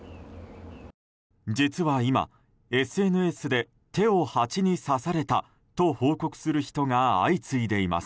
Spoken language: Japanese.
実は今、ＳＮＳで手をハチに刺されたと報告する人が相次いでいます。